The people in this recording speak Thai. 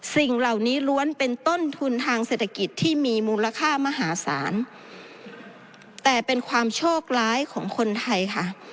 สิ่งเหล่านี้ล้วนเป็นต้นทุนทางเศรษฐกิจที่มีมูลค่ามหาศาลแต่เป็นความโชคร้ายของคนไทยค่ะ